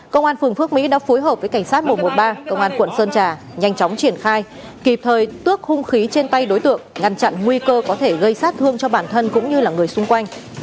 công an phường phước mỹ đã phối hợp với cảnh sát một trăm một mươi ba công an quận sơn trà nhanh chóng triển khai kịp thời tước hung khí trên tay đối tượng ngăn chặn nguy cơ có thể gây sát thương cho bản thân cũng như là người xung quanh